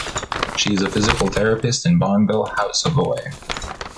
She is a physical therapist in Bonneville, Haute-Savoie.